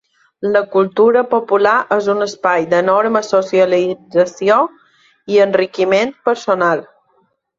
La cultura popular és un espai d’enorme socialització i enriquiment personal.